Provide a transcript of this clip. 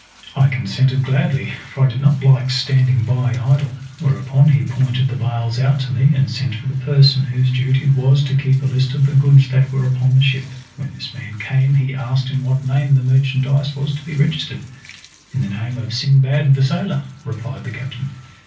I consented gladly, for I did not like standing by idle. Whereupon he pointed the bales out to me, and sent for the person whose duty it was to keep a list of the goods that were upon the ship. When this man came he asked in what name the merchandise was to be registered. "In the name of Sindbad the Sailor," replied the captain.